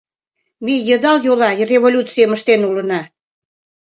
Ме йыдал йола революцийым ыштен улына.